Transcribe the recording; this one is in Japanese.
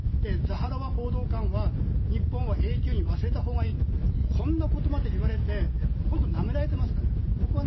ザハロワ報道官は日本は永久に忘れたほうがいいとこんなことまで言われて本当になめられてますから。